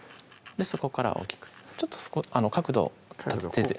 そこから大きくちょっと角度を角度